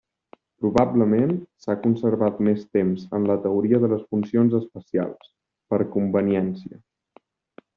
Probablement s'ha conservat més temps en la teoria de les funcions especials, per conveniència.